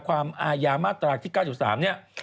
ความอายามาตรกที่๙๓เนี่ย